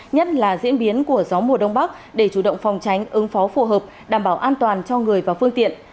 nhất là diễn biến của gió mùa đông bắc để chủ động phòng tránh ứng phó phù hợp đảm bảo an toàn cho người và phương tiện